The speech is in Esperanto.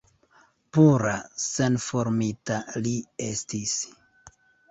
Pura, senformita li estis!